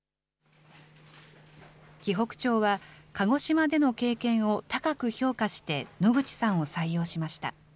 鬼北町は鹿児島での経験を高く評価して、野口さんを採用しました。